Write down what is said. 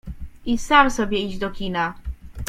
I sam sobie idź do kina.